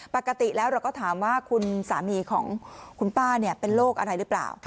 ปกติแล้วเราก็ถามว่าคุณสามีของคุณป้าเป็นโรคอะไรหรือเปล่า